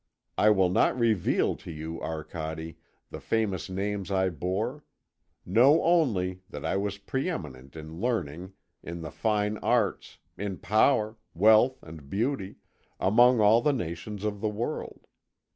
I will not reveal to you, Arcade, the famous names I bore; know only that I was pre eminent in learning, in the fine arts, in power, wealth, and beauty, among all the nations of the world.